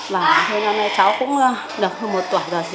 và hôm nay cháu cũng được hơn một tuổi rồi